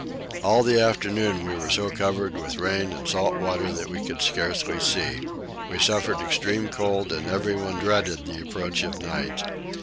All the afternoon we were so covered with rain and salt water that we could scarcely see. We suffered extreme cold and everyone dreaded the approach of night.